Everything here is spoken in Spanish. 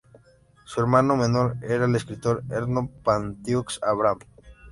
Su hermano menor era el escritor Ernő Pattantyús-Ábrahám.